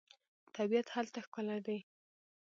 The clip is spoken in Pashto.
طبیعت هلته ښکلی دی.